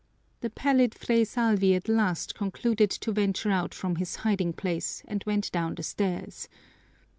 The pallid Fray Salvi at last concluded to venture out from his hiding place, and went down the stairs.